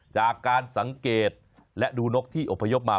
จากการสังเกตและดูนกที่อพยพมา